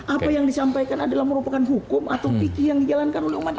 apa yang disampaikan adalah merupakan hukum atau pikir yang dijalankan oleh umat islam